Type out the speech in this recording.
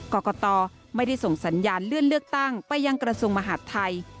กรกตไม่ได้ส่งสัญญาณเลื่อนเลือกตั้งไปยังกระทรวงมหาดไทย